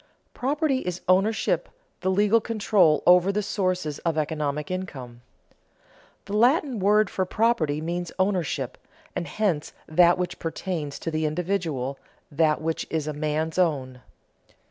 Property is ownership, the legal control over the sources of economic income. The Latin word property means ownership, and hence that which pertains to the individual, that which is a man's own.